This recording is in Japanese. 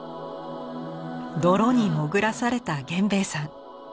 泥に潜らされた源兵衛さん